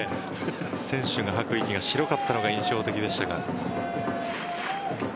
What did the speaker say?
選手の吐く息が白かったのが印象的でした。